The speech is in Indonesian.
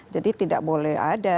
jadi tidak boleh ada